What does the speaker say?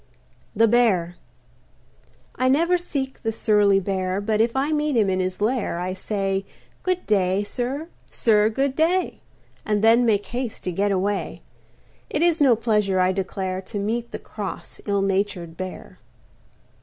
THE BEAR I never seek the surly Bear, But if I meet him in his lair I say, "Good day, sir; sir, good day," And then make haste to get away. It is no pleasure, I declare, To meet the cross, ill natured Bear.